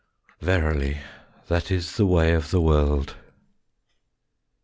Verily, that is the way of the world.